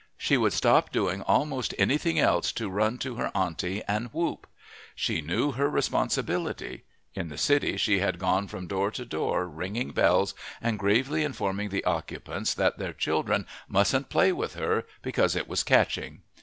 She would stop doing almost anything else to run to her auntie and whoop. She knew her responsibility. In the city she had gone from door to door ringing bells and gravely informing the occupants that their children mustn't play with her, because it was catching.